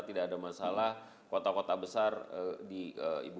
tidak ada masalah kota kota besar di ibu kota